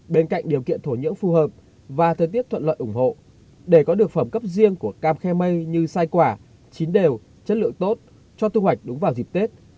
bên cạnh điều kiện thổ nhưỡng phù hợp và thời tiết thuận lợi ủng hộ để có được phẩm cấp riêng của cam khe mây như sai quả chín đều chất lượng tốt cho thu hoạch đúng vào dịp tết